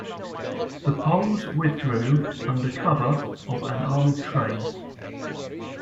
The Poles withdrew under cover of an armoured train.